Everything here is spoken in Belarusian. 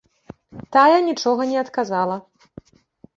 Тая нічога не адказала.